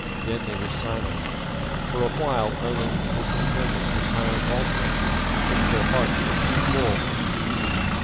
Then they were silent. For a while Owen and his companions were silent also, since their hearts were too full for speech.